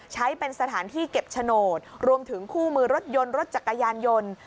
ใช้เป็นสถานที่เก็บโฉนดรวมถึงคู่มือรถยนต์รถจักรยานยนต์